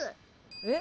えっ。